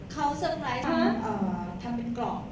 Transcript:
เขาเซอร์ไพรส์ทำเป็นกล่อง